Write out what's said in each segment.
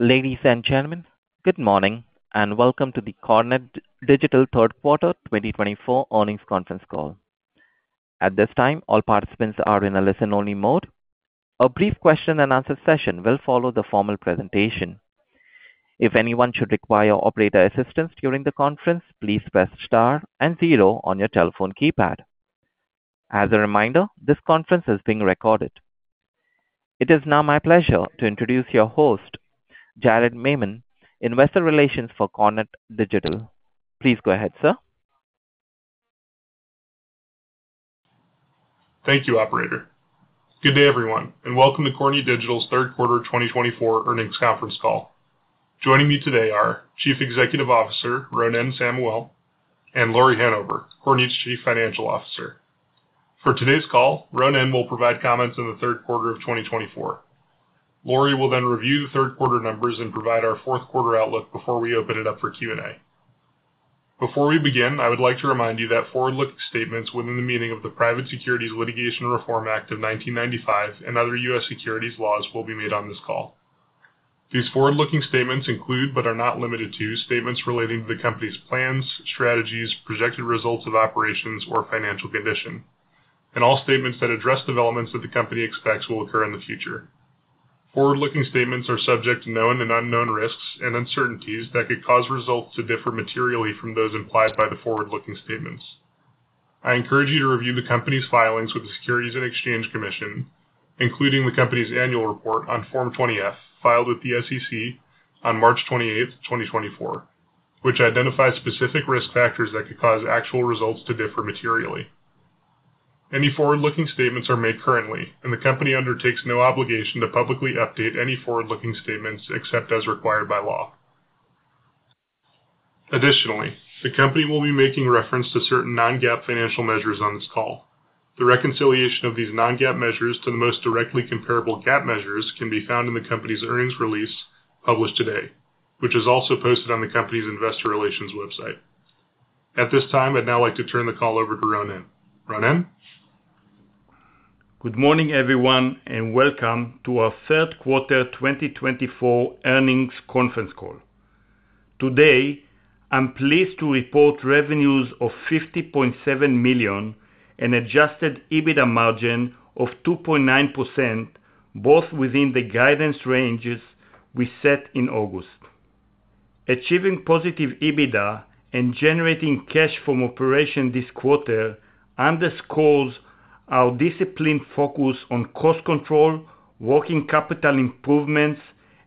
Ladies and gentlemen, good morning and welcome to the Kornit Digital third quarter 2024 earnings conference call. At this time, all participants are in a listen-only mode. A brief question-and-answer session will follow the formal presentation. If anyone should require operator assistance during the conference, please press star and zero on your telephone keypad. As a reminder, this conference is being recorded. It is now my pleasure to introduce your host, Jared Maymon, Investor Relations for Kornit Digital. Please go ahead, sir. Thank you, Operator. Good day, everyone, and welcome to Kornit Digital's third quarter 2024 earnings conference call. Joining me today are Chief Executive Officer Ronen Samuel and Lauri Hanover, Kornit's Chief Financial Officer. For today's call, Ronen will provide comments on the third quarter of 2024. Lauri will then review the third quarter numbers and provide our fourth quarter outlook before we open it up for Q&A. Before we begin, I would like to remind you that forward-looking statements within the meaning of the Private Securities Litigation Reform Act of 1995 and other U.S. securities laws will be made on this call. These forward-looking statements include, but are not limited to, statements relating to the company's plans, strategies, projected results of operations, or financial condition, and all statements that address developments that the company expects will occur in the future. Forward-looking statements are subject to known and unknown risks and uncertainties that could cause results to differ materially from those implied by the forward-looking statements. I encourage you to review the company's filings with the Securities and Exchange Commission, including the company's annual report on Form 20-F filed with the SEC on March 28th, 2024, which identifies specific risk factors that could cause actual results to differ materially. Any forward-looking statements are made currently, and the company undertakes no obligation to publicly update any forward-looking statements except as required by law. Additionally, the company will be making reference to certain non-GAAP financial measures on this call. The reconciliation of these non-GAAP measures to the most directly comparable GAAP measures can be found in the company's earnings release published today, which is also posted on the company's Investor Relations website. At this time, I'd now like to turn the call over to Ronen. Ronen? Good morning, everyone, and welcome to our third quarter 2024 earnings conference call. Today, I'm pleased to report revenues of $50.7 million and Adjusted EBITDA margin of 2.9%, both within the guidance ranges we set in August. Achieving positive EBITDA and generating cash from operations this quarter underscores our disciplined focus on cost control, working capital improvements,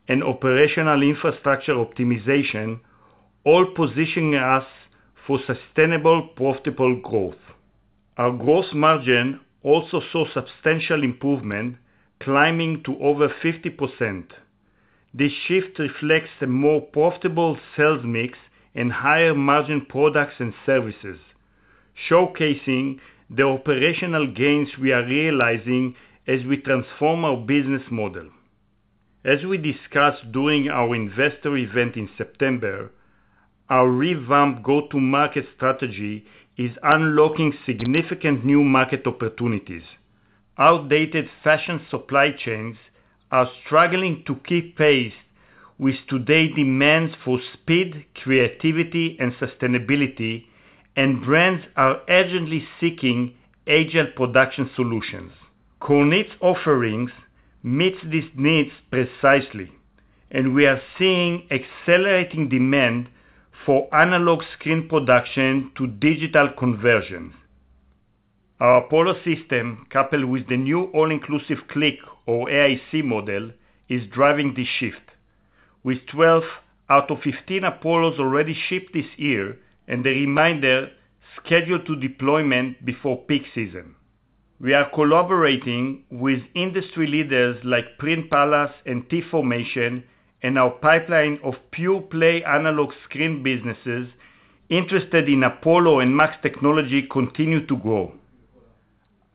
and operational infrastructure optimization, all positioning us for sustainable, profitable growth. Our gross margin also saw substantial improvement, climbing to over 50%. This shift reflects a more profitable sales mix and higher margin products and services, showcasing the operational gains we are realizing as we transform our business model. As we discussed during our investor event in September, our revamped go-to-market strategy is unlocking significant new market opportunities. Outdated fashion supply chains are struggling to keep pace with today's demands for speed, creativity, and sustainability, and brands are urgently seeking agile production solutions. Kornit's offerings meet these needs precisely, and we are seeing accelerating demand for analog screen production to digital conversions. Our Apollo system, coupled with the new All-Inclusive Click, or AIC model, is driving this shift, with 12 out of 15 Apollos already shipped this year and a remainder scheduled for deployment before peak season. We are collaborating with industry leaders like Print Palace and T-Formation, and our pipeline of pure-play analog screen businesses interested in Apollo and MAX technology continues to grow.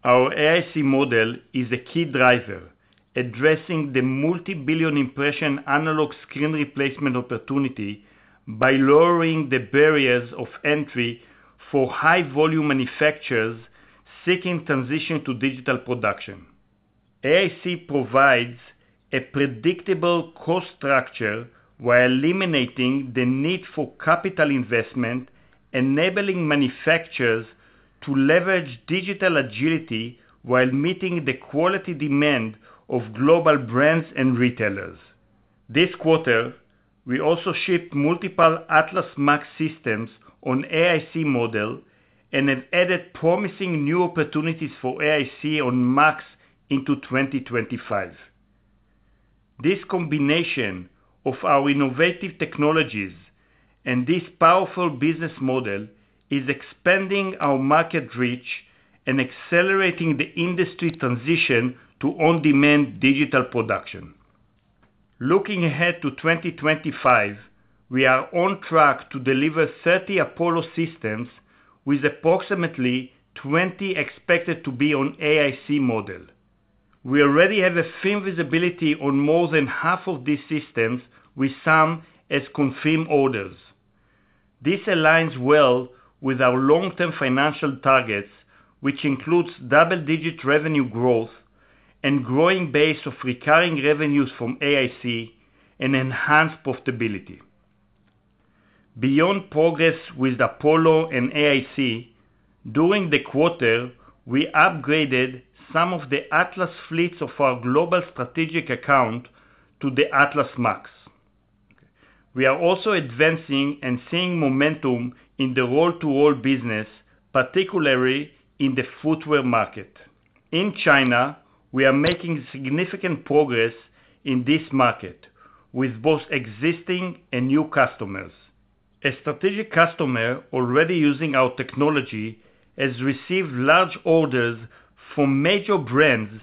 Our AIC model is a key driver, addressing the multi-billion impression analog screen replacement opportunity by lowering the barriers of entry for high-volume manufacturers seeking transition to digital production. AIC provides a predictable cost structure while eliminating the need for capital investment, enabling manufacturers to leverage digital agility while meeting the quality demand of global brands and retailers. This quarter, we also shipped multiple Atlas MAX systems on AIC model and have added promising new opportunities for AIC on MAX into 2025. This combination of our innovative technologies and this powerful business model is expanding our market reach and accelerating the industry transition to on-demand digital production. Looking ahead to 2025, we are on track to deliver 30 Apollo systems with approximately 20 expected to be on AIC model. We already have a firm visibility on more than half of these systems, with some as confirmed orders. This aligns well with our long-term financial targets, which include double-digit revenue growth and a growing base of recurring revenues from AIC and enhanced profitability. Beyond progress with Apollo and AIC, during the quarter, we upgraded some of the Atlas fleets of our global strategic account to the Atlas MAX. We are also advancing and seeing momentum in the roll-to-roll business, particularly in the footwear market. In China, we are making significant progress in this market with both existing and new customers. A strategic customer already using our technology has received large orders from major brands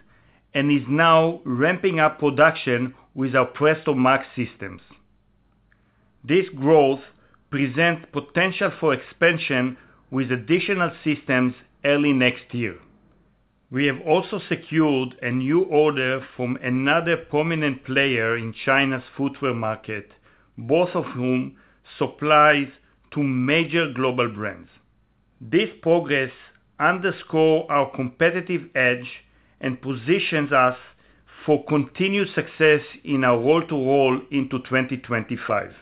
and is now ramping up production with our Presto MAX systems. This growth presents potential for expansion with additional systems early next year. We have also secured a new order from another prominent player in China's footwear market, both of whom supply to major global brands. This progress underscores our competitive edge and positions us for continued success in our roll-to-roll into 2025.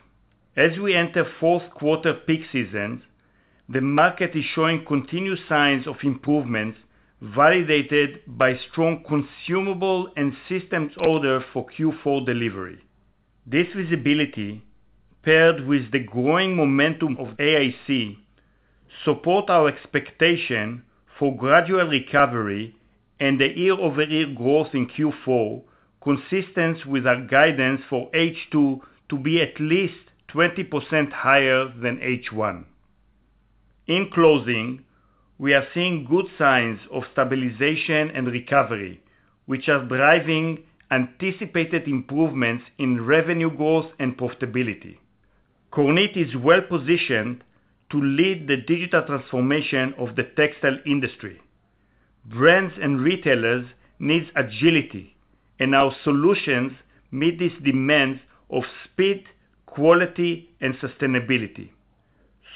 As we enter fourth quarter peak season, the market is showing continued signs of improvement validated by strong consumable and systems orders for Q4 delivery. This visibility, paired with the growing momentum of AIC, supports our expectation for gradual recovery and the year-over-year growth in Q4, consistent with our guidance for H2 to be at least 20% higher than H1. In closing, we are seeing good signs of stabilization and recovery, which are driving anticipated improvements in revenue growth and profitability. Kornit is well positioned to lead the digital transformation of the textile industry. Brands and retailers need agility, and our solutions meet these demands of speed, quality, and sustainability.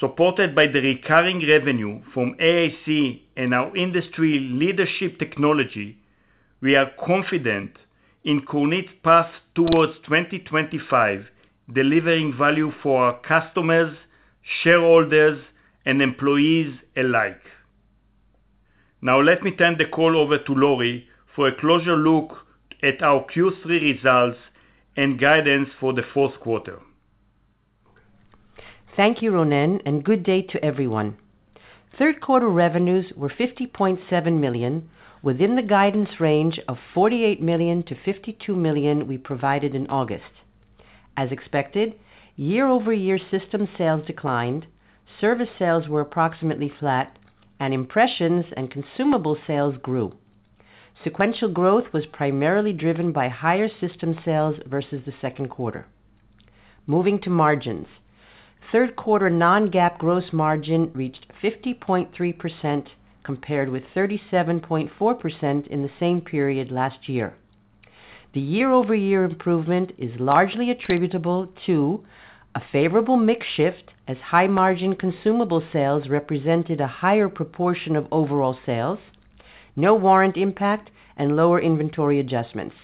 Supported by the recurring revenue from AIC and our industry leadership technology, we are confident in Kornit's path towards 2025, delivering value for our customers, shareholders, and employees alike. Now, let me turn the call over to Lauri for a closer look at our Q3 results and guidance for the fourth quarter. Thank you, Ronen, and good day to everyone. Third quarter revenues were $50.7 million within the guidance range of $48 million-$52 million we provided in August. As expected, year-over-year system sales declined, service sales were approximately flat, and impressions and consumable sales grew. Sequential growth was primarily driven by higher system sales versus the second quarter. Moving to margins, third quarter non-GAAP gross margin reached 50.3% compared with 37.4% in the same period last year. The year-over-year improvement is largely attributable to a favorable mix shift as high-margin consumable sales represented a higher proportion of overall sales, no warrant impact, and lower inventory adjustments.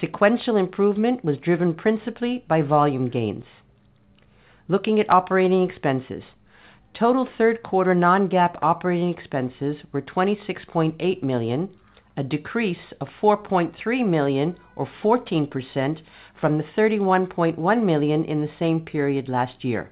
Sequential improvement was driven principally by volume gains. Looking at operating expenses, total third quarter non-GAAP operating expenses were $26.8 million, a decrease of $4.3 million, or 14% from the $31.1 million in the same period last year.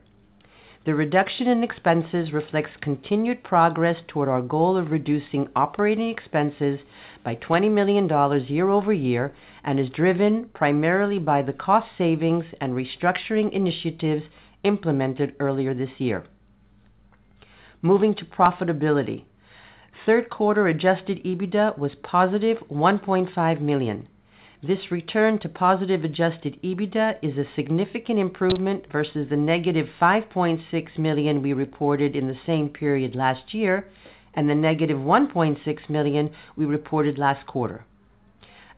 The reduction in expenses reflects continued progress toward our goal of reducing operating expenses by $20 million year-over-year and is driven primarily by the cost savings and restructuring initiatives implemented earlier this year. Moving to profitability, third quarter Adjusted EBITDA was positive $1.5 million. This return to positive Adjusted EBITDA is a significant improvement versus the -$5.6 million we reported in the same period last year and the -$1.6 million we reported last quarter.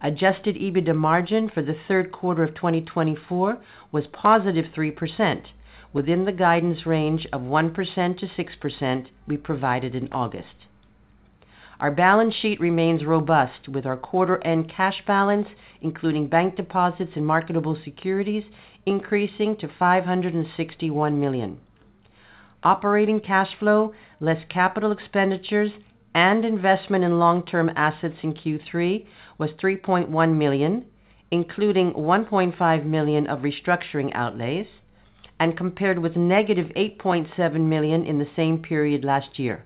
Adjusted EBITDA margin for the third quarter of 2024 was positive 3%, within the guidance range of 1%-6% we provided in August. Our balance sheet remains robust with our quarter-end cash balance, including bank deposits and marketable securities, increasing to $561 million. Operating cash flow, less capital expenditures, and investment in long-term assets in Q3 was $3.1 million, including $1.5 million of restructuring outlays, and compared with -$8.7 million in the same period last year.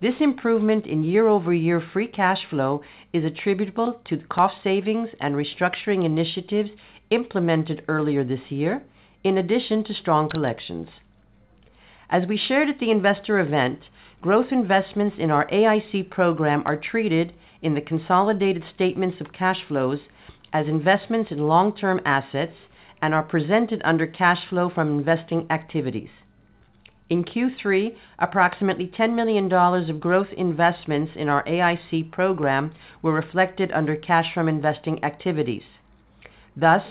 This improvement in year-over-year free cash flow is attributable to cost savings and restructuring initiatives implemented earlier this year, in addition to strong collections. As we shared at the investor event, growth investments in our AIC program are treated in the consolidated statements of cash flows as investments in long-term assets and are presented under cash flow from investing activities. In Q3, approximately $10 million of growth investments in our AIC program were reflected under cash from investing activities. Thus,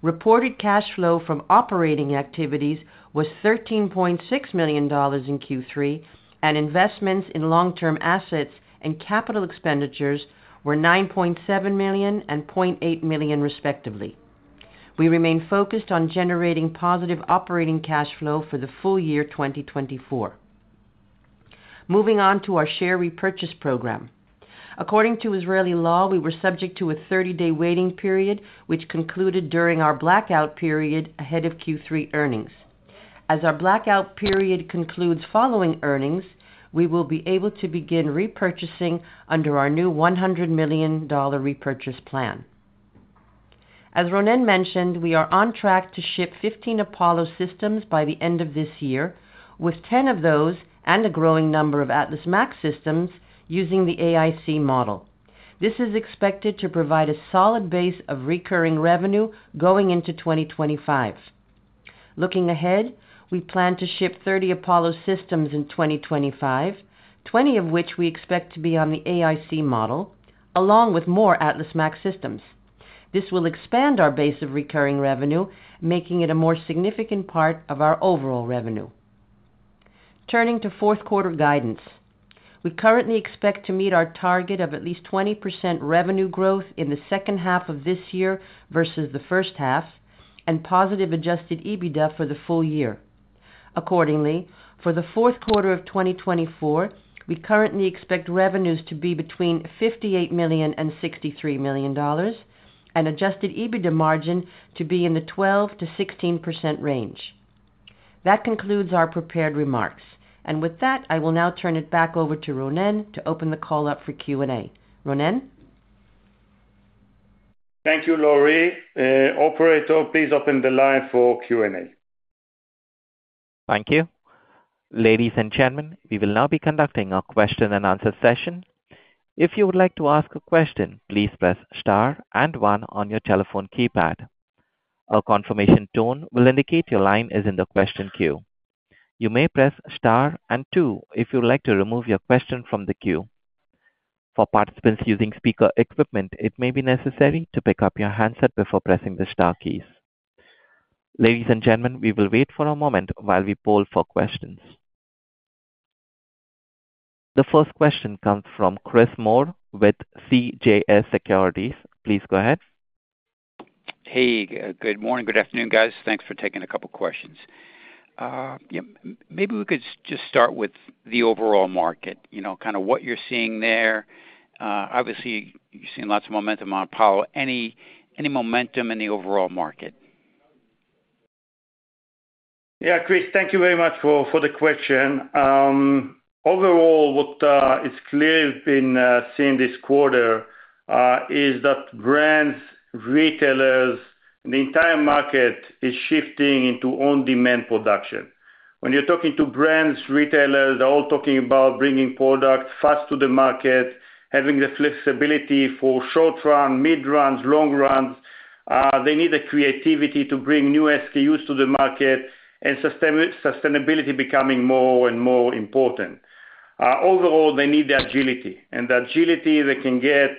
reported cash flow from operating activities was $13.6 million in Q3, and investments in long-term assets and capital expenditures were $9.7 million and $0.8 million, respectively. We remain focused on generating positive operating cash flow for the full year 2024. Moving on to our share repurchase program. According to Israeli law, we were subject to a 30-day waiting period, which concluded during our blackout period ahead of Q3 earnings. As our blackout period concludes following earnings, we will be able to begin repurchasing under our new $100 million repurchase plan. As Ronen mentioned, we are on track to ship 15 Apollo systems by the end of this year, with 10 of those and a growing number of Atlas MAX systems using the AIC model. This is expected to provide a solid base of recurring revenue going into 2025. Looking ahead, we plan to ship 30 Apollo systems in 2025, 20 of which we expect to be on the AIC model, along with more Atlas MAX systems. This will expand our base of recurring revenue, making it a more significant part of our overall revenue. Turning to fourth quarter guidance, we currently expect to meet our target of at least 20% revenue growth in the second half of this year versus the first half, and positive Adjusted EBITDA for the full year. Accordingly, for the fourth quarter of 2024, we currently expect revenues to be between $58-$63 million, and Adjusted EBITDA margin to be in the 12%-16% range. That concludes our prepared remarks. And with that, I will now turn it back over to Ronen to open the call up for Q&A. Ronen? Thank you, Lauri. Operator, please open the line for Q&A. Thank you. Ladies and gentlemen, we will now be conducting a question and answer session. If you would like to ask a question, please press star and one on your telephone keypad. A confirmation tone will indicate your line is in the question queue. You may press star and two if you would like to remove your question from the queue. For participants using speaker equipment, it may be necessary to pick up your handset before pressing the star keys. Ladies and gentlemen, we will wait for a moment while we poll for questions. The first question comes from Chris Moore with CJS Securities. Please go ahead. Hey, good morning, good afternoon, guys. Thanks for taking a couple of questions. Maybe we could just start with the overall market, kind of what you're seeing there. Obviously, you're seeing lots of momentum on Apollo. Any momentum in the overall market? Yeah, Chris, thank you very much for the question. Overall, what is clear we've been seeing this quarter is that brands, retailers, and the entire market is shifting into on-demand production. When you're talking to brands, retailers, they're all talking about bringing products fast to the market, having the flexibility for short run, mid runs, long runs. They need the creativity to bring new SKUs to the market, and sustainability becoming more and more important. Overall, they need the agility, and the agility they can get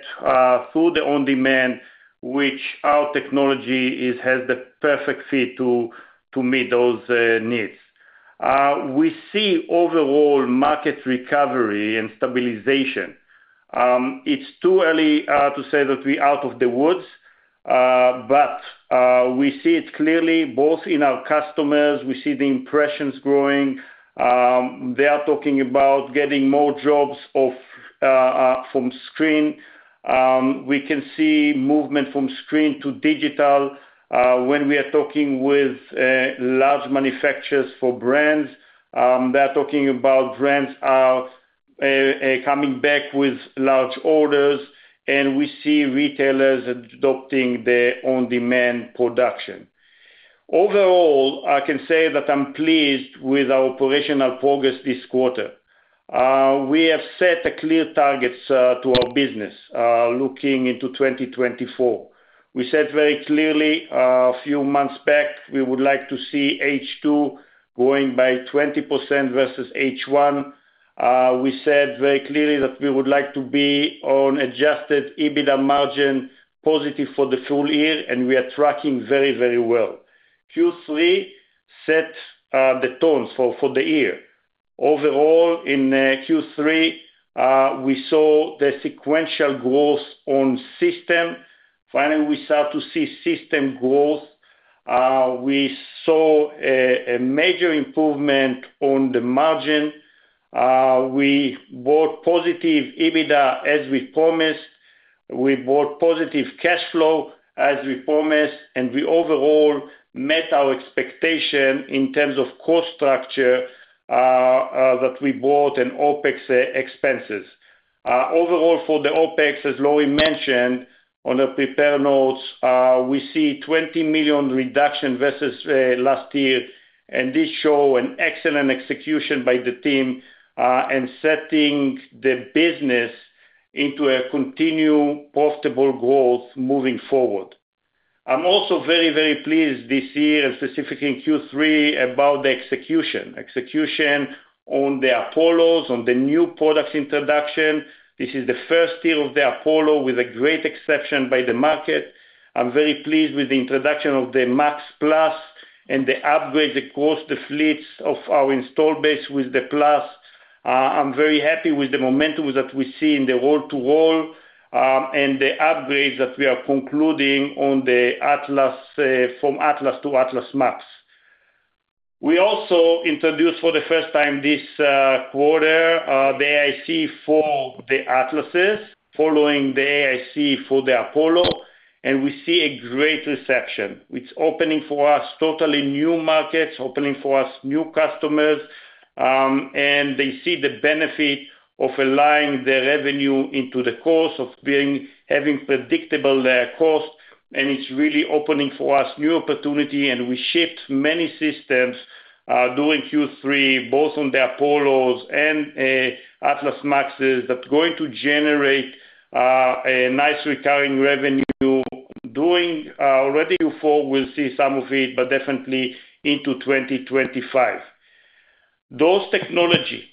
through the on-demand, which our technology has the perfect fit to meet those needs. We see overall market recovery and stabilization. It's too early to say that we're out of the woods, but we see it clearly both in our customers. We see the impressions growing. They are talking about getting more jobs from screen. We can see movement from screen to digital when we are talking with large manufacturers for brands. They are talking about brands coming back with large orders, and we see retailers adopting their on-demand production. Overall, I can say that I'm pleased with our operational progress this quarter. We have set clear targets to our business looking into 2024. We said very clearly a few months back we would like to see H2 growing by 20% versus H1. We said very clearly that we would like to be on Adjusted EBITDA margin positive for the full year, and we are tracking very, very well. Q3 set the tone for the year. Overall, in Q3, we saw the sequential growth on system. Finally, we start to see system growth. We saw a major improvement on the margin. We got positive EBITDA as we promised. We brought positive cash flow as we promised, and we overall met our expectation in terms of cost structure that we brought and OpEx expenses. Overall, for the OpEx, as Lauri mentioned in the prepared remarks, we see $20 million reduction versus last year, and this shows an excellent execution by the team and setting the business into a continued profitable growth moving forward. I'm also very, very pleased this year, and specifically in Q3, about the execution on the Apollos, on the new products introduction. This is the first year of the Apollo with a great acceptance by the market. I'm very pleased with the introduction of the MAX PLUS and the upgrades across the fleets of our installed base with the Plus. I'm very happy with the momentum that we see in the roll-to-roll and the upgrades that we are concluding on the Atlas from Atlas to Atlas MAX. We also introduced for the first time this quarter the AIC for the Atlases following the AIC for the Apollo, and we see a great reception. It's opening for us totally new markets, opening for us new customers, and they see the benefit of aligning the revenue into the cost of having predictable cost, and it's really opening for us new opportunity. And we shipped many systems during Q3, both on the Apollos and Atlas MAXes, that are going to generate a nice recurring revenue doing already Q4. We'll see some of it, but definitely into 2025. Those technologies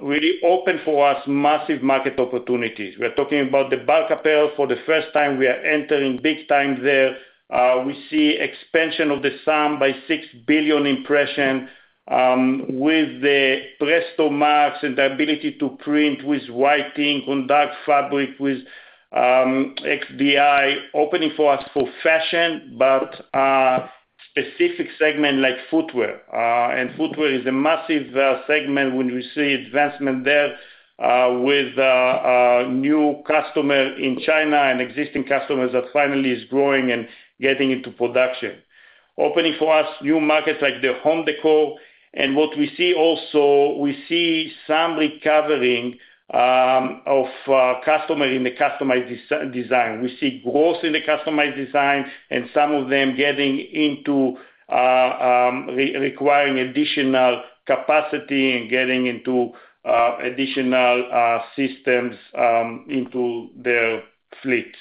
really open for us massive market opportunities. We're talking about the apparel for the first time. We are entering big time there. We see expansion of the SAM by 6 billion impressions with the Presto MAX and the ability to print with white ink on dark fabric with XDi, opening for us for fashion, but specific segments like footwear. Footwear is a massive segment when we see advancement there with new customers in China and existing customers that finally are growing and getting into production. Opening for us new markets like the home decor. What we see also, we see some recovering of customers in the customized design. We see growth in the customized design and some of them getting into requiring additional capacity and getting into additional systems into their fleet.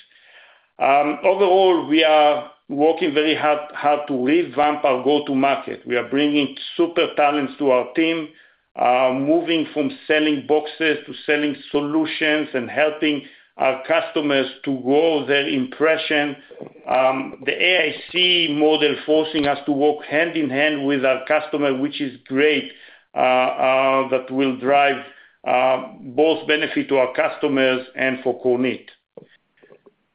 Overall, we are working very hard to revamp our go-to-market. We are bringing super talents to our team, moving from selling boxes to selling solutions and helping our customers to grow their impression. The AIC model forcing us to work hand in hand with our customer, which is great, that will drive both benefit to our customers and for Kornit.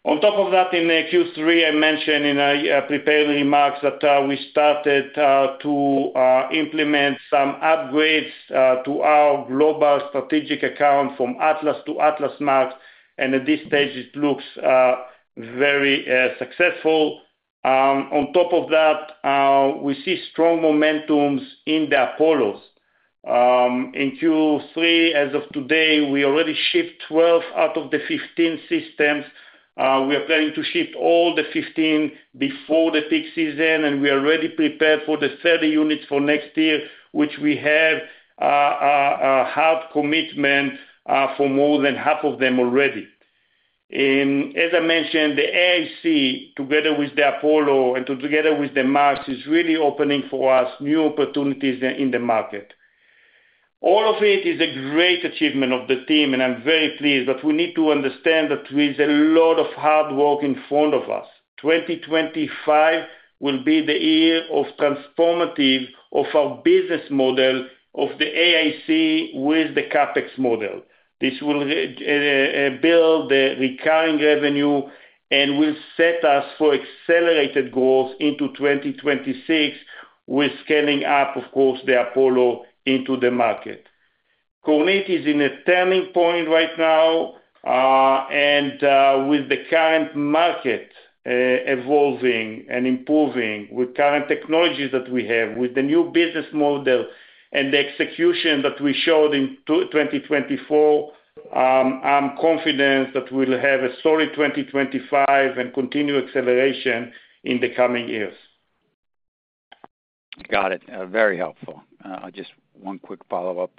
On top of that, in Q3, I mentioned in our prepared remarks that we started to implement some upgrades to our global strategic account from Atlas to Atlas MAX, and at this stage, it looks very successful. On top of that, we see strong momentums in the Apollos. In Q3, as of today, we already shipped 12 out of the 15 systems. We are planning to ship all the 15 before the peak season, and we are already prepared for the 30 units for next year, which we have a hard commitment for more than half of them already. As I mentioned, the AIC together with the Apollo and together with the MAX is really opening for us new opportunities in the market. All of it is a great achievement of the team, and I'm very pleased, but we need to understand that there is a lot of hard work in front of us. 2025 will be the year of transformative of our business model of the AIC with the CAPEX model. This will build the recurring revenue and will set us for accelerated growth into 2026 with scaling up, of course, the Apollo into the market. Kornit is in a turning point right now, and with the current market evolving and improving with current technologies that we have, with the new business model and the execution that we showed in 2024, I'm confident that we'll have a solid 2025 and continue acceleration in the coming years. Got it. Very helpful. Just one quick follow-up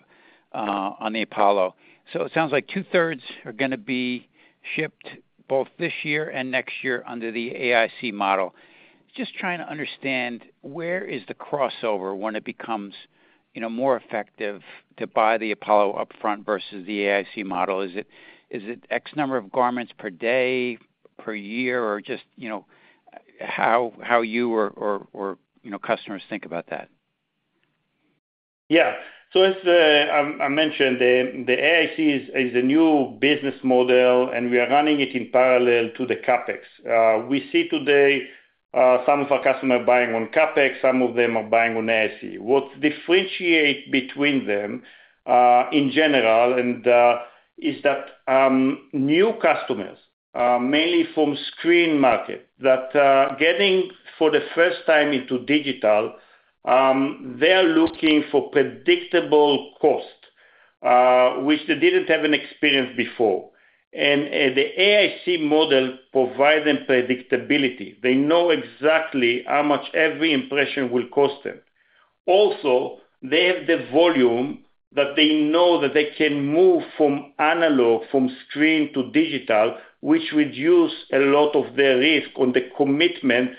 on the Apollo. So it sounds like two-thirds are going to be shipped both this year and next year under the AIC model. Just trying to understand where is the crossover when it becomes more effective to buy the Apollo upfront versus the AIC model. Is it X number of garments per day, per year, or just how you or customers think about that? Yeah. So as I mentioned, the AIC is a new business model, and we are running it in parallel to the CAPEX. We see today some of our customers buying on CAPEX. Some of them are buying on AIC. What differentiates between them in general is that new customers, mainly from screen market, that are getting for the first time into digital, they are looking for predictable cost, which they didn't have an experience before. And the AIC model provides them predictability. They know exactly how much every impression will cost them. Also, they have the volume that they know that they can move from analog, from screen to digital, which reduces a lot of their risk on the commitment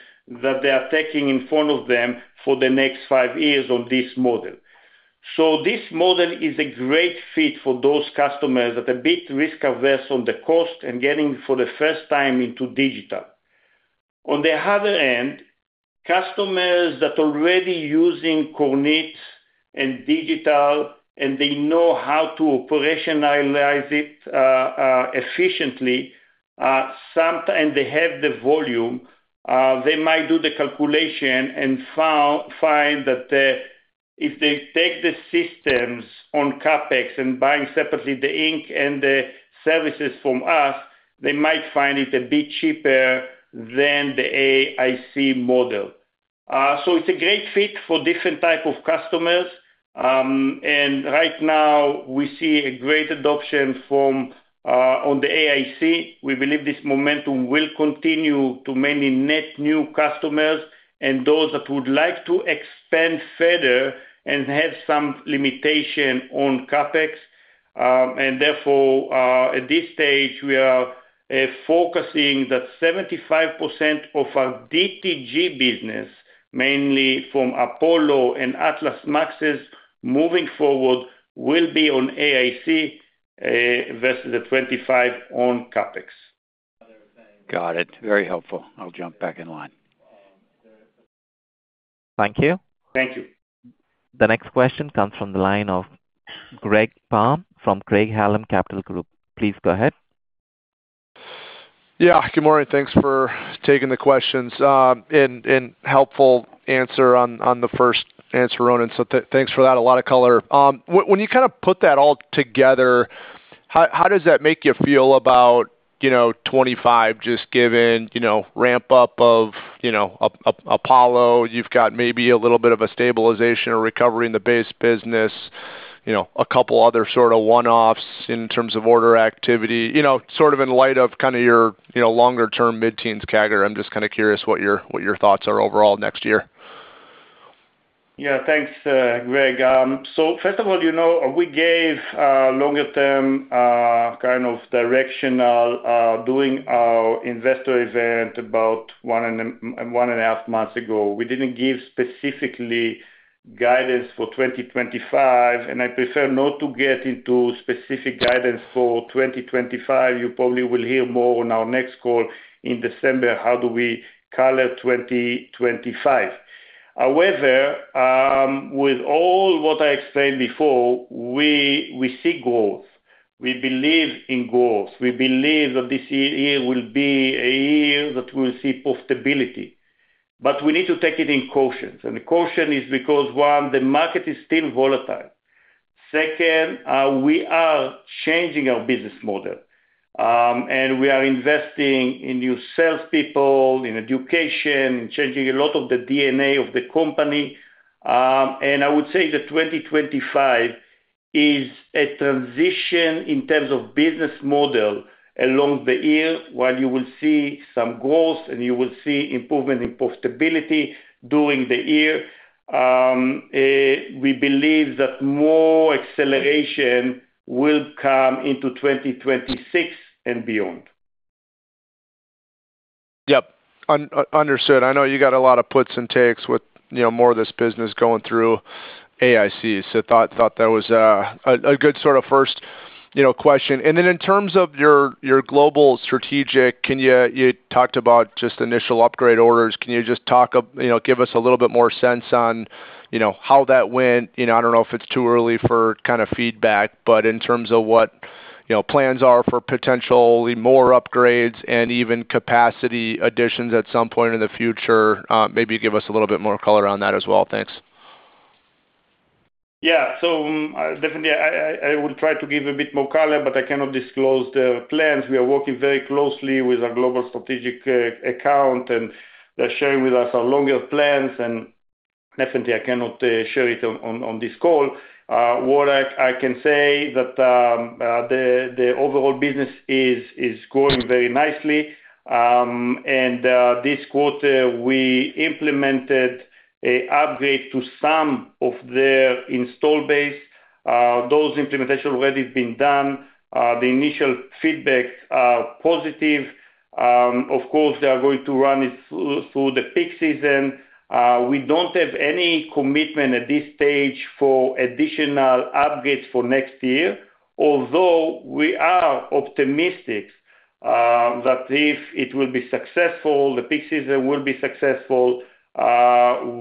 that they are taking in front of them for the next five years on this model. So this model is a great fit for those customers that are a bit risk-averse on the cost and getting for the first time into digital. On the other hand, customers that are already using Kornit and digital, and they know how to operationalize it efficiently, and they have the volume, they might do the calculation and find that if they take the systems on CAPEX and buying separately the ink and the services from us, they might find it a bit cheaper than the AIC model. So it's a great fit for different types of customers. And right now, we see a great adoption on the AIC. We believe this momentum will continue to many net new customers and those that would like to expand further and have some limitation on CAPEX. Therefore, at this stage, we are focusing that 75% of our DTG business, mainly from Apollo and Atlas MAXes, moving forward will be on AIC versus the 25% on CAPEX. Got it. Very helpful. I'll jump back in line. Thank you. Thank you. The next question comes from the line of Greg Palm from Craig-Hallum Capital Group. Please go ahead. Yeah. Good morning. Thanks for taking the questions and helpful answer on the first answer, Ronen. So thanks for that. A lot of color. When you kind of put that all together, how does that make you feel about 25 just given ramp-up of Apollo? You've got maybe a little bit of a stabilization or recovery in the base business, a couple other sort of one-offs in terms of order activity, sort of in light of kind of your longer-term mid-teens category. I'm just kind of curious what your thoughts are overall next year. Yeah. Thanks, Greg. So first of all, we gave longer-term kind of directional doing our investor event about one and a half months ago. We didn't give specifically guidance for 2025, and I prefer not to get into specific guidance for 2025. You probably will hear more on our next call in December, how do we color 2025. However, with all what I explained before, we see growth. We believe in growth. We believe that this year will be a year that we will see profitability. But we need to take it in caution. And the caution is because, one, the market is still volatile. Second, we are changing our business model, and we are investing in new salespeople, in education, changing a lot of the DNA of the company. I would say that 2025 is a transition in terms of business model along the year, while you will see some growth and you will see improvement in profitability during the year. We believe that more acceleration will come into 2026 and beyond. Yep. Understood. I know you got a lot of puts and takes with more of this business going through AIC, so thought that was a good sort of first question, and then in terms of your global strategy, you talked about just initial upgrade orders. Can you just give us a little bit more sense on how that went? I don't know if it's too early for kind of feedback, but in terms of what plans are for potentially more upgrades and even capacity additions at some point in the future, maybe give us a little bit more color on that as well. Thanks. Yeah. So definitely, I will try to give a bit more color, but I cannot disclose the plans. We are working very closely with our global strategic account, and they're sharing with us our longer plans, and definitely, I cannot share it on this call. What I can say is that the overall business is growing very nicely. And this quarter, we implemented an upgrade to some of their installed base. Those implementations have already been done. The initial feedback is positive. Of course, they are going to run it through the peak season. We don't have any commitment at this stage for additional upgrades for next year, although we are optimistic that if it will be successful, the peak season will be successful.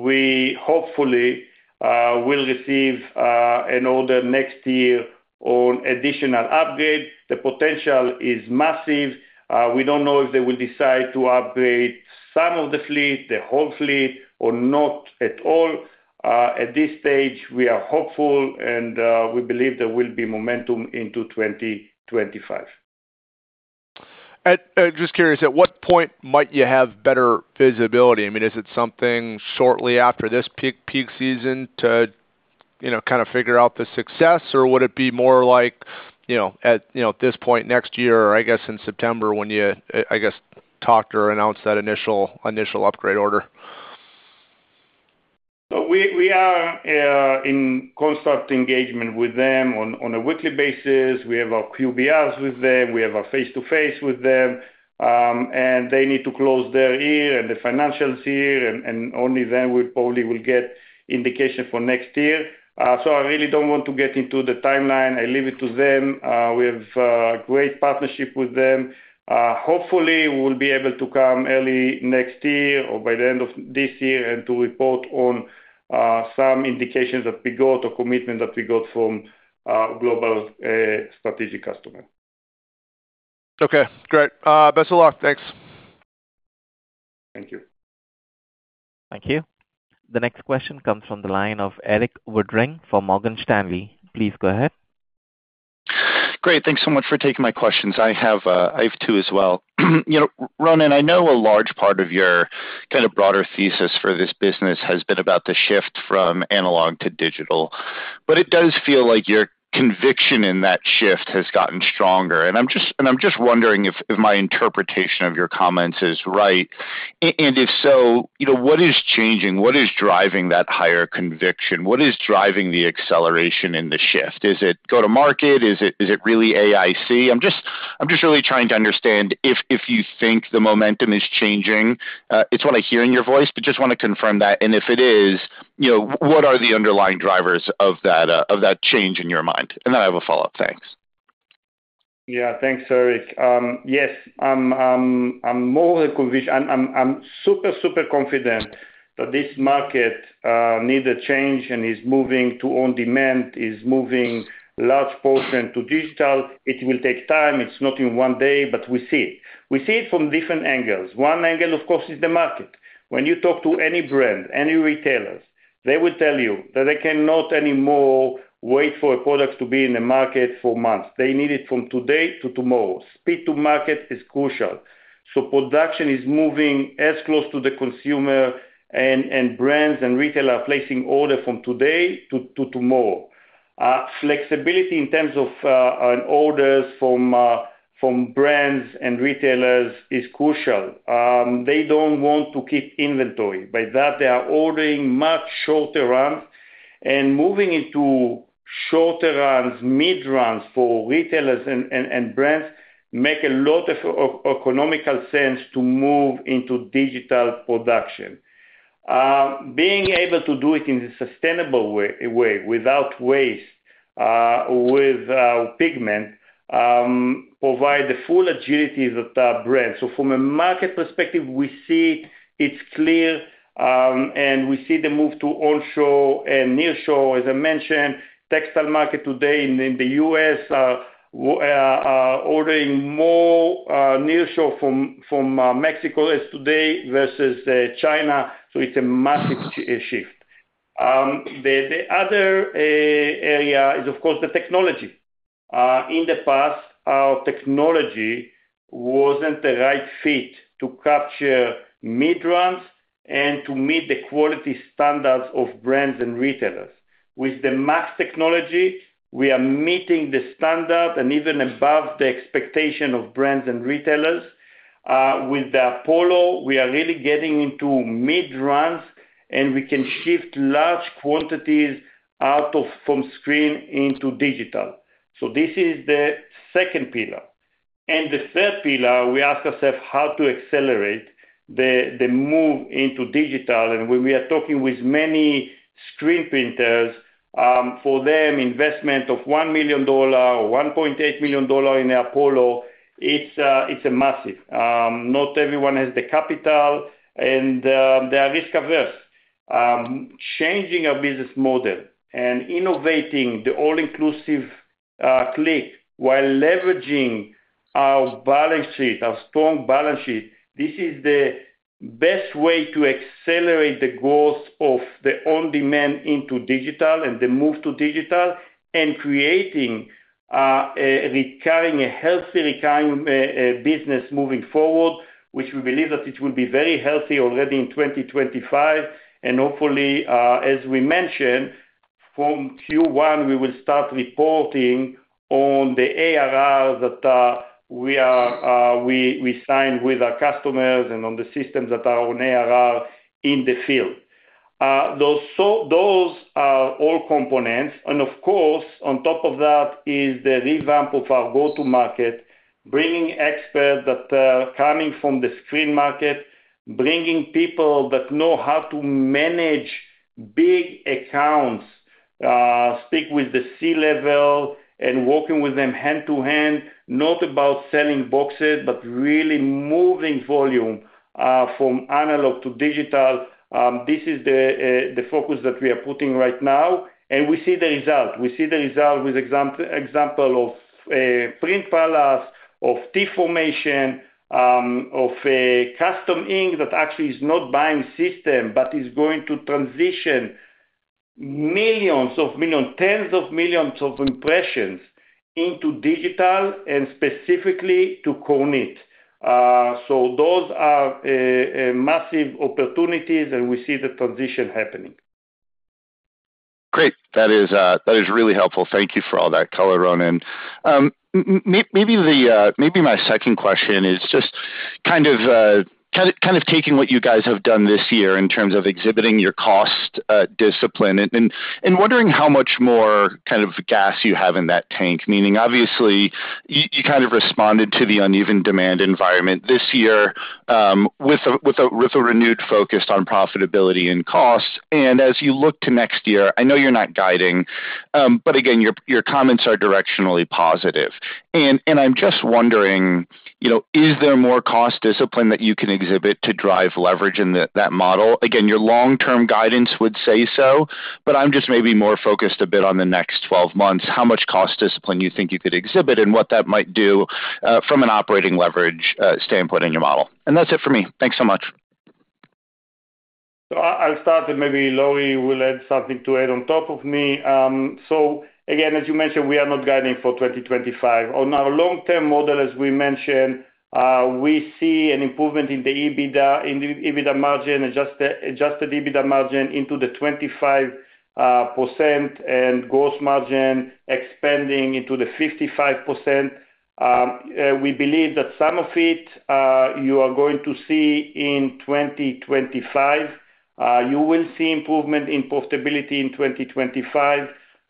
We hopefully will receive an order next year on additional upgrades. The potential is massive. We don't know if they will decide to upgrade some of the fleet, the whole fleet, or not at all. At this stage, we are hopeful, and we believe there will be momentum into 2025. Just curious, at what point might you have better visibility? I mean, is it something shortly after this peak season to kind of figure out the success, or would it be more like at this point next year, I guess in September, when you, I guess, talked or announced that initial upgrade order? So we are in constant engagement with them on a weekly basis. We have our QBRs with them. We have our face-to-face with them. And they need to close their year and the financials here, and only then we probably will get indication for next year. So I really don't want to get into the timeline. I leave it to them. We have a great partnership with them. Hopefully, we'll be able to come early next year or by the end of this year and to report on some indications that we got or commitment that we got from global strategic customers. Okay. Great. Best of luck. Thanks. Thank you. Thank you. The next question comes from the line of Erik Woodring from Morgan Stanley. Please go ahead. Great. Thanks so much for taking my questions. I have two as well. Ronen, I know a large part of your kind of broader thesis for this business has been about the shift from analog to digital, but it does feel like your conviction in that shift has gotten stronger. And I'm just wondering if my interpretation of your comments is right. And if so, what is changing? What is driving that higher conviction? What is driving the acceleration in the shift? Is it go-to-market? Is it really AIC? I'm just really trying to understand if you think the momentum is changing. It's what I hear in your voice, but just want to confirm that. And if it is, what are the underlying drivers of that change in your mind? And then I have a follow-up. Thanks. Yeah. Thanks, Erik Yes. I'm more than convinced. I'm super, super confident that this market needs a change and is moving to on-demand, is moving large portion to digital. It will take time. It's not in one day, but we see it. We see it from different angles. One angle, of course, is the market. When you talk to any brand, any retailer, they will tell you that they cannot anymore wait for a product to be in the market for months. They need it from today to tomorrow. Speed to market is crucial. So production is moving as close to the consumer, and brands and retailers are placing orders from today to tomorrow. Flexibility in terms of orders from brands and retailers is crucial. They don't want to keep inventory. By that, they are ordering much shorter runs. Moving into shorter runs, mid-runs for retailers and brands makes a lot of economical sense to move into digital production. Being able to do it in a sustainable way without waste, with pigment, provides the full agility that brands. From a market perspective, we see it's clear, and we see the move to onshore and nearshore. As I mentioned, the textile market today in the U.S. are ordering more nearshore from Mexico today versus China. It's a massive shift. The other area is, of course, the technology. In the past, our technology wasn't the right fit to capture mid-runs and to meet the quality standards of brands and retailers. With the MAX technology, we are meeting the standard and even above the expectation of brands and retailers. With the Apollo, we are really getting into mid-runs, and we can shift large quantities out of screen into digital. So this is the second pillar. And the third pillar, we ask ourselves how to accelerate the move into digital. And when we are talking with many screen printers, for them, investment of $1 million or $1.8 million in the Apollo, it's massive. Not everyone has the capital, and they are risk-averse. Changing our business model and innovating the all-inclusive click while leveraging our balance sheet, our strong balance sheet, this is the best way to accelerate the growth of the on-demand into digital and the move to digital and creating a healthy recurring business moving forward, which we believe that it will be very healthy already in 2025. And hopefully, as we mentioned, from Q1, we will start reporting on the ARR that we signed with our customers and on the systems that are on ARR in the field. Those are all components. And of course, on top of that is the revamp of our go-to-market, bringing experts that are coming from the screen market, bringing people that know how to manage big accounts, speak with the C-level, and working with them hand to hand, not about selling boxes, but really moving volume from analog to digital. This is the focus that we are putting right now. And we see the result. We see the result with example of Print Palace, of T-Formation, of Custom Ink that actually is not buying system, but is going to transition millions, tens of millions of impressions into digital and specifically to Kornit. So those are massive opportunities, and we see the transition happening. Great. That is really helpful. Thank you for all that color, Ronen. Maybe my second question is just kind of taking what you guys have done this year in terms of exhibiting your cost discipline and wondering how much more kind of gas you have in that tank, meaning obviously you kind of responded to the uneven demand environment this year with a renewed focus on profitability and cost. And as you look to next year, I know you're not guiding, but again, your comments are directionally positive. And I'm just wondering, is there more cost discipline that you can exhibit to drive leverage in that model? Again, your long-term guidance would say so, but I'm just maybe more focused a bit on the next 12 months, how much cost discipline you think you could exhibit and what that might do from an operating leverage standpoint in your model? That's it for me. Thanks so much. So I'll start, and maybe Lauri will add something to add on top of me. So again, as you mentioned, we are not guiding for 2025. On our long-term model, as we mentioned, we see an improvement in the EBITDA margin, adjusted EBITDA margin into the 25% and gross margin expanding into the 55%. We believe that some of it you are going to see in 2025. You will see improvement in profitability in 2025.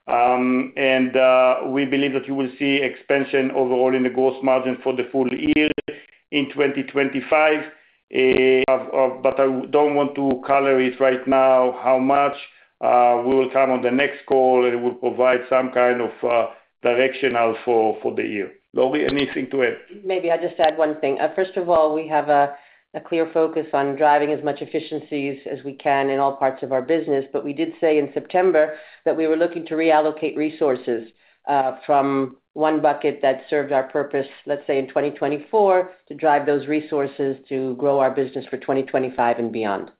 And we believe that you will see expansion overall in the gross margin for the full year in 2025. But I don't want to color it right now how much. We will come on the next call, and we'll provide some kind of directional for the year. Lauri, anything to add? Maybe I'll just add one thing. First of all, we have a clear focus on driving as much efficiencies as we can in all parts of our business. But we did say in September that we were looking to reallocate resources from one bucket that served our purpose, let's say, in 2024, to drive those resources to grow our business for 2025 and beyond.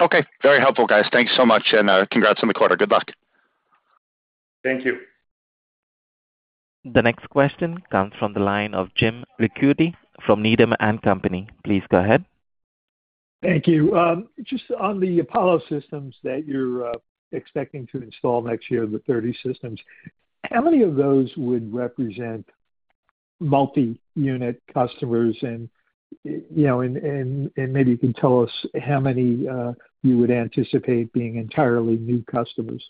Okay. Very helpful, guys. Thanks so much. And congrats on the quarter. Good luck. Thank you. The next question comes from the line of Jim Ricchiuti from Needham & Company. Please go ahead. Thank you. Just on the Apollo systems that you're expecting to install next year, the 30 systems, how many of those would represent multi-unit customers? And maybe you can tell us how many you would anticipate being entirely new customers.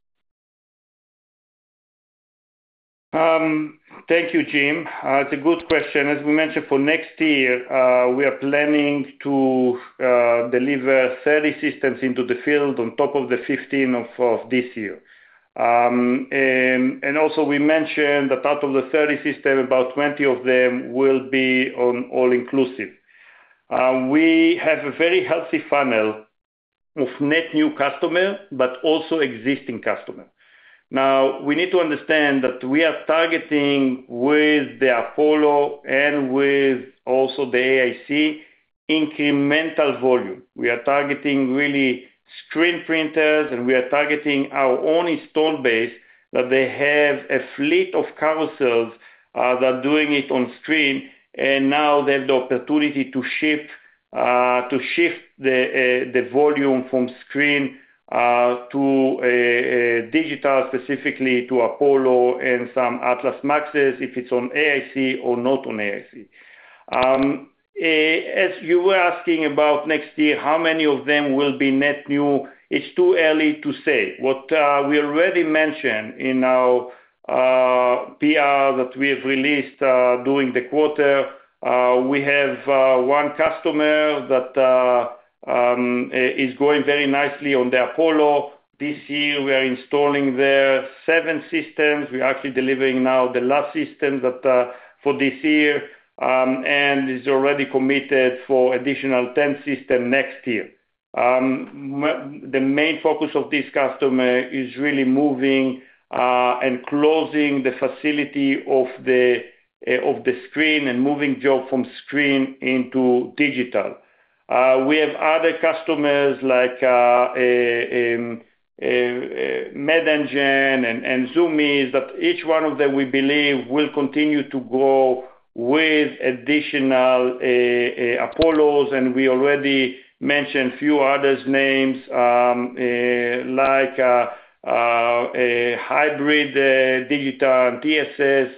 Thank you, Jim. It's a good question. As we mentioned, for next year, we are planning to deliver 30 systems into the field on top of the 15 of this year, and also we mentioned that out of the 30 systems, about 20 of them will be on all-inclusive. We have a very healthy funnel of net new customers, but also existing customers. Now, we need to understand that we are targeting with the Apollo and with also the AIC incremental volume. We are targeting really screen printers, and we are targeting our own installed base that they have a fleet of carousels that are doing it on screen, and now they have the opportunity to shift the volume from screen to digital, specifically to Apollo and some Atlas MAXes, if it's on AIC or not on AIC. As you were asking about next year, how many of them will be net new, it's too early to say. What we already mentioned in our PR that we have released during the quarter, we have one customer that is going very nicely on the Apollo. This year, we are installing their seven systems. We're actually delivering now the last system for this year, and it's already committed for additional 10 systems next year. The main focus of this customer is really moving and closing the facility of the screen and moving job from screen into digital. We have other customers like Mad Engine and Zumiez that each one of them we believe will continue to go with additional Apollos, and we already mentioned a few others' names like Hybrid Digital and TSS,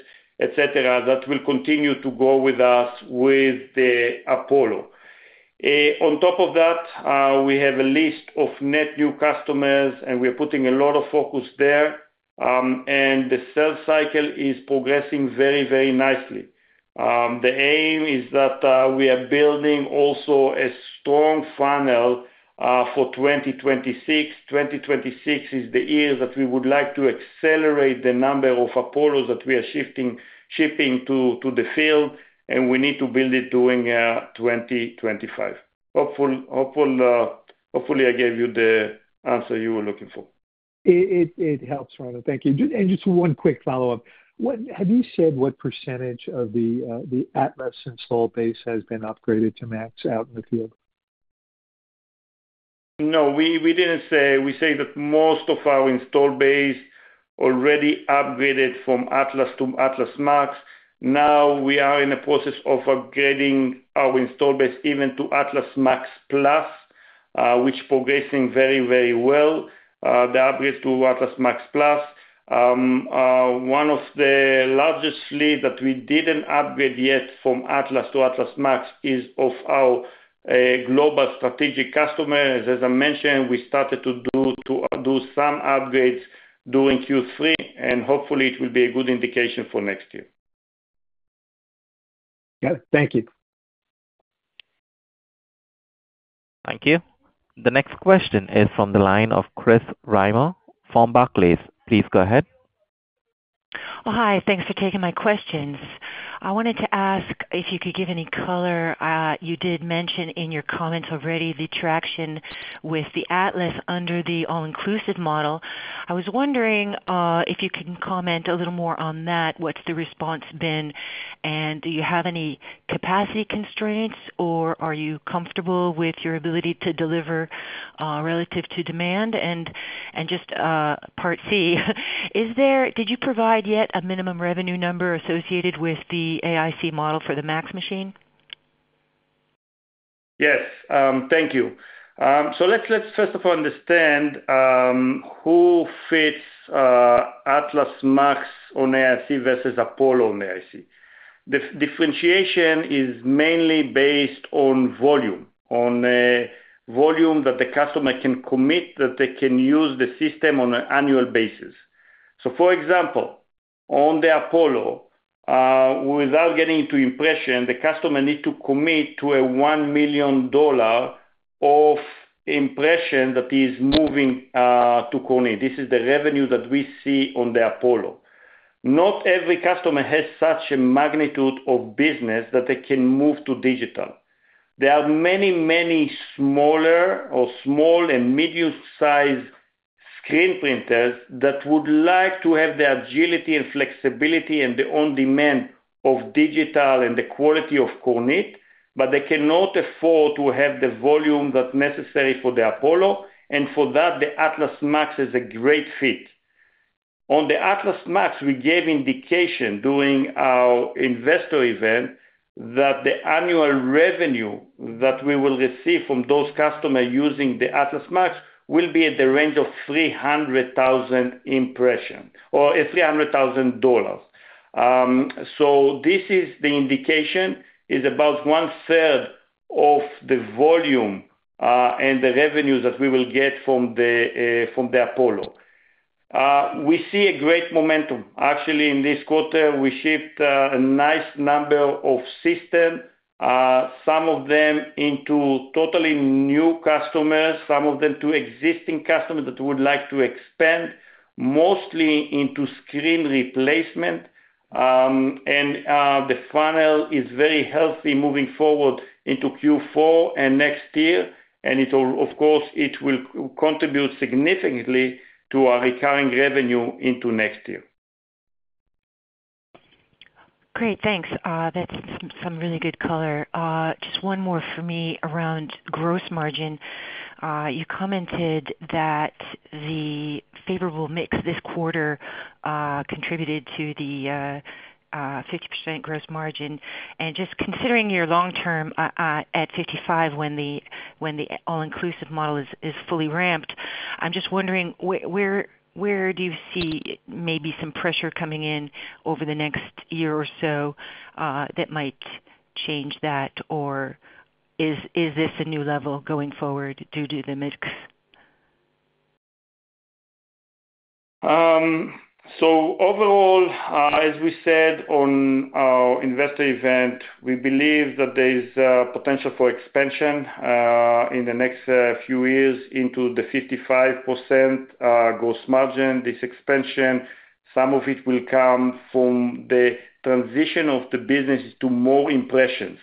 etc., that will continue to go with us with the Apollo. On top of that, we have a list of net new customers, and we are putting a lot of focus there. And the sales cycle is progressing very, very nicely. The aim is that we are building also a strong funnel for 2026. 2026 is the year that we would like to accelerate the number of Apollos that we are shipping to the field, and we need to build it during 2025. Hopefully, I gave you the answer you were looking for. It helps, Ronen. Thank you. And just one quick follow-up. Have you said what percentage of the Atlas install base has been upgraded to MAX out in the field? No, we didn't say. We say that most of our installed base is already upgraded from Atlas to Atlas MAX. Now, we are in the process of upgrading our installed base even to Atlas MAX PLUS, which is progressing very, very well. The upgrade to Atlas MAX PLUS. One of the largest fleets that we didn't upgrade yet from Atlas to Atlas MAX is of our global strategic customers. As I mentioned, we started to do some upgrades during Q3, and hopefully, it will be a good indication for next year. Got it. Thank you. Thank you. The next question is from the line of Chris Reimer from Barclays. Please go ahead. Hi. Thanks for taking my questions. I wanted to ask if you could give any color. You did mention in your comments already the traction with the Atlas under the all-inclusive model. I was wondering if you can comment a little more on that. What's the response been? And do you have any capacity constraints, or are you comfortable with your ability to deliver relative to demand? And just part C, did you provide yet a minimum revenue number associated with the AIC model for the MAX machine? Yes. Thank you. So let's, first of all, understand who fits Atlas MAX on AIC versus Apollo on AIC. The differentiation is mainly based on volume, on volume that the customer can commit that they can use the system on an annual basis. So, for example, on the Apollo, without getting into impression, the customer needs to commit to a $1 million of impression that is moving to Kornit. This is the revenue that we see on the Apollo. Not every customer has such a magnitude of business that they can move to digital. There are many, many smaller or small and medium-sized screen printers that would like to have the agility and flexibility and the on-demand of digital and the quality of Kornit, but they cannot afford to have the volume that's necessary for the Apollo. And for that, the Atlas MAX is a great fit. On the Atlas MAX, we gave indication during our investor event that the annual revenue that we will receive from those customers using the Atlas MAX will be in the range of $300,000 impression or $300,000. So this is the indication is about one-third of the volume and the revenues that we will get from the Apollo. We see a great momentum. Actually, in this quarter, we shipped a nice number of systems, some of them into totally new customers, some of them to existing customers that would like to expand, mostly into screen replacement. And the funnel is very healthy moving forward into Q4 and next year. And of course, it will contribute significantly to our recurring revenue into next year. Great. Thanks. That's some really good color. Just one more for me around gross margin. You commented that the favorable mix this quarter contributed to the 50% gross margin. And just considering your long-term at 55% when the all-inclusive model is fully ramped, I'm just wondering, where do you see maybe some pressure coming in over the next year or so that might change that? Or is this a new level going forward due to the mix? So overall, as we said on our investor event, we believe that there is potential for expansion in the next few years into the 55% gross margin. This expansion, some of it will come from the transition of the business to more impressions.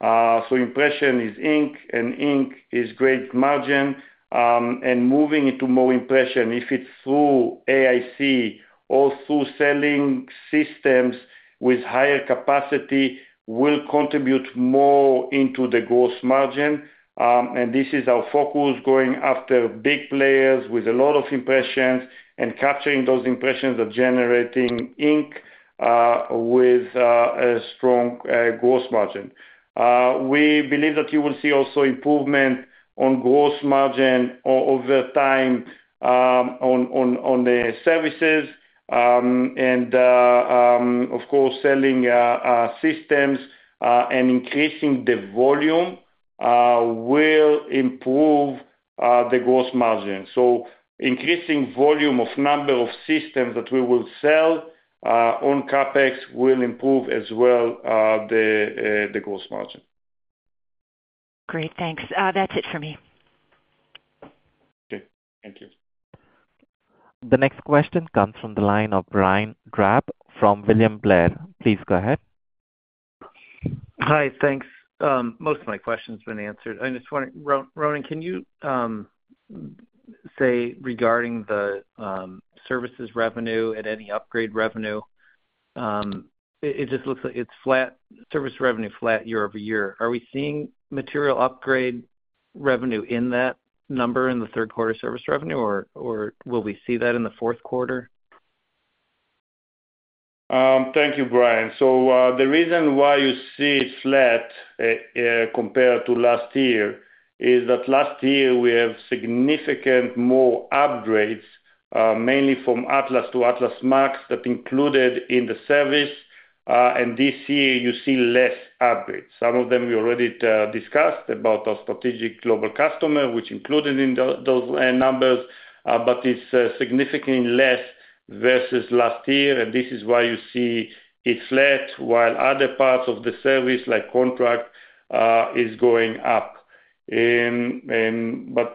So impression is ink, and ink is great margin. And moving into more impression, if it's through AIC or through selling systems with higher capacity, will contribute more into the gross margin. And this is our focus going after big players with a lot of impressions and capturing those impressions that are generating ink with a strong gross margin. We believe that you will see also improvement on gross margin over time on the services. And, of course, selling systems and increasing the volume will improve the gross margin. Increasing volume of number of systems that we will sell on CapEx will improve as well the gross margin. Great. Thanks. That's it for me. Okay. Thank you. The next question comes from the line of Brian Drab from William Blair. Please go ahead. Hi. Thanks. Most of my questions have been answered. I just wanted Ronen, can you say regarding the services revenue and any upgrade revenue? It just looks like it's flat service revenue, flat year over year. Are we seeing material upgrade revenue in that number in the third quarter service revenue, or will we see that in the fourth quarter? Thank you, Brian. So the reason why you see it flat compared to last year is that last year, we have significant more upgrades, mainly from Atlas to Atlas MAX that included in the service. And this year, you see less upgrades. Some of them we already discussed about our strategic global customer, which included in those numbers, but it's significantly less versus last year. And this is why you see it's flat, while other parts of the service like contract is going up. But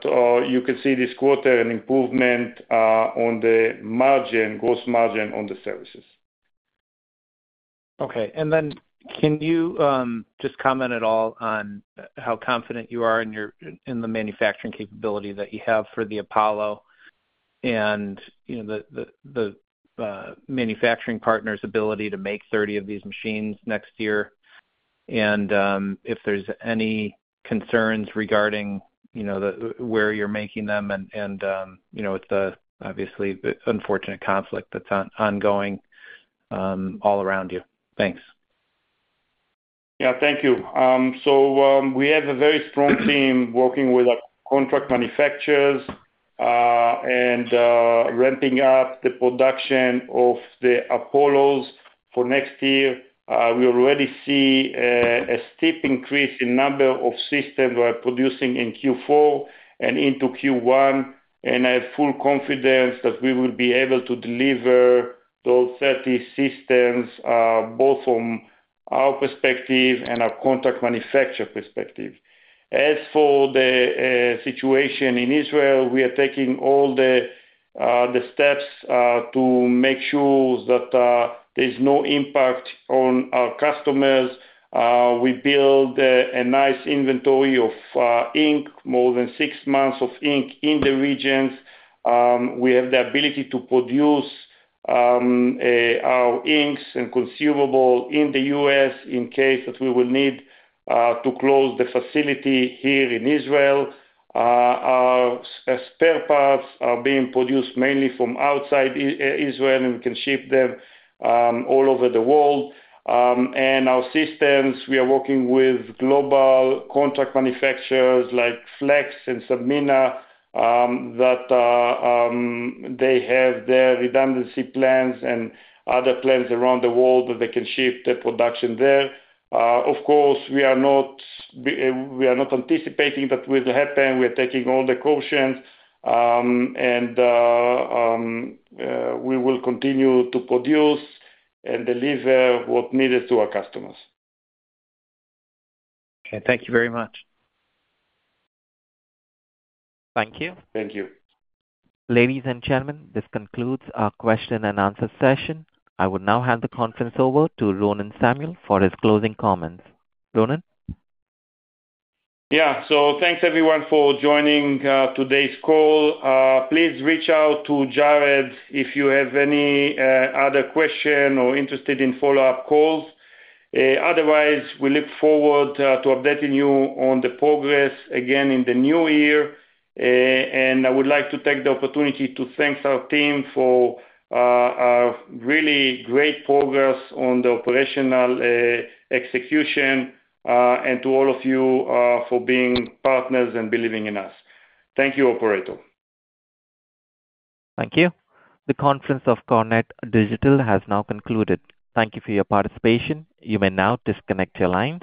you can see this quarter an improvement on the margin, gross margin on the services. Okay. And then can you just comment at all on how confident you are in the manufacturing capability that you have for the Apollo and the manufacturing partner's ability to make 30 of these machines next year? And if there's any concerns regarding where you're making them and with the obviously unfortunate conflict that's ongoing all around you? Thanks. Yeah. Thank you. So we have a very strong team working with our contract manufacturers and ramping up the production of the Apollos for next year. We already see a steep increase in number of systems we are producing in Q4 and into Q1. And I have full confidence that we will be able to deliver those 30 systems both from our perspective and our contract manufacturer perspective. As for the situation in Israel, we are taking all the steps to make sure that there is no impact on our customers. We build a nice inventory of ink, more than six months of ink in the regions. We have the ability to produce our inks and consumables in the U.S. in case that we will need to close the facility here in Israel. Our spare parts are being produced mainly from outside Israel, and we can ship them all over the world, and our systems, we are working with global contract manufacturers like Flex and Sanmina that they have their redundancy plans and other plans around the world that they can shift their production there. Of course, we are not anticipating that will happen. We are taking all the cautions, and we will continue to produce and deliver what needed to our customers. Okay. Thank you very much. Thank you. Thank you. Ladies and gentlemen, this concludes our question and answer session. I will now hand the conference over to Ronen Samuel for his closing comments. Ronen? Yeah. So thanks, everyone, for joining today's call. Please reach out to Jared if you have any other questions or are interested in follow-up calls. Otherwise, we look forward to updating you on the progress again in the new year. And I would like to take the opportunity to thank our team for really great progress on the operational execution and to all of you for being partners and believing in us. Thank you, Operator. Thank you. The conference of Kornit Digital has now concluded. Thank you for your participation. You may now disconnect your lines.